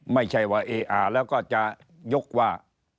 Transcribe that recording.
ไม่ใช่ว่าเออแล้วก็จะยกว่า